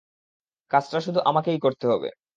কাজটা শুধু আমাকেই করতে হবে।